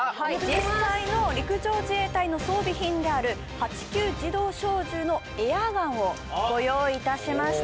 実際の陸上自衛隊の装備品である８９自動小銃のエアガンをご用意いたしました